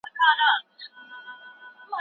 د مطالعې لپاره مناسب چاپېريال برابر کړئ.